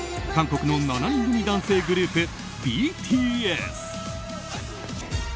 韓国の７人組男性グループＢＴＳ。